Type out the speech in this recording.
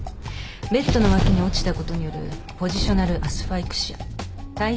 ベッドの脇に落ちたことによるポジショナルアスファイクシア体位